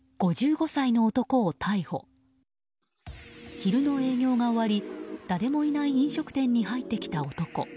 昼の営業が終わり誰もいない飲食店に入ってきた男。